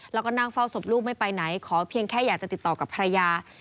แล้วก็นั่งเฝ้าศพลูกไม่ไปไหนขอเพียงแค่อยากจะติดต่อกับภรรยา